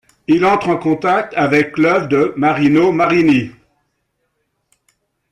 Il entre en contact avec l’œuvre de Marino Marini.